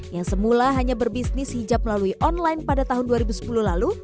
yang semula hanya berbisnis hijab melalui online pada tahun dua ribu sepuluh lalu